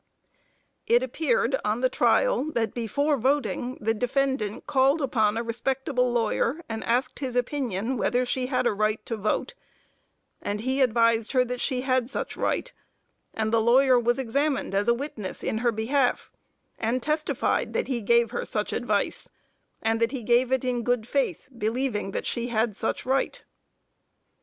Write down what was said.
It appeared on the trial that before voting the defendant called upon a respectable lawyer, and asked his opinion whether she had a right to vote, and he advised her that she had such right, and the lawyer was examined as a witness in her behalf, and testified that he gave her such advice, and that he gave it in good faith, believing that she had such right.